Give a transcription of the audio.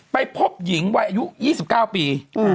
ไปพบหญิงวัยอายุ๒๙ปี